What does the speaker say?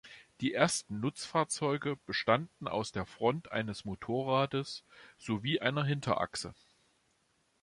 Die ersten Nutzfahrzeugen bestanden aus der Front eines Motorrades sowie einer Hinterachse.